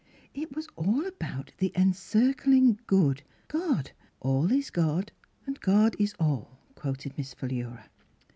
" It was all about the Encircling Good — God, ' All is God, God is all,' " quoted Miss Philura.